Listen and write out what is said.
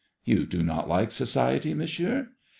'' You do not like society. Monsieur